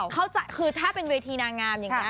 เข้าใจคือถ้าเป็นเวทีนางงามอย่างนี้